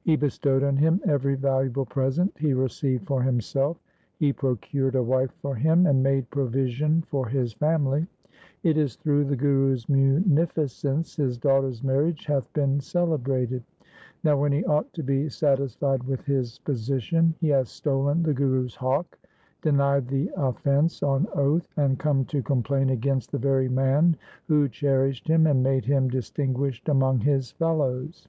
He bestowed on him every valuable present he received for himself. He procured a wife for him and made provision for his family. It is through the Guru's munificence his daughter's marriage hath been cele brated. Now when he ought to be satisfied with his position, he hath stolen the Guru's hawk, de nied the offence on oath, and come to complain against the very man who cherished him and made him distinguished among his fellows.